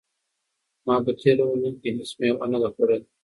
ما په تېره اونۍ کې هیڅ مېوه نه ده خوړلې.